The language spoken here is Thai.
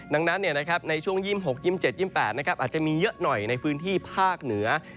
ดังนั้นในช่วง๒๖๒๗๒๘อาจจะมีเยอะหน่อยในพื้นที่ภาคเหนือ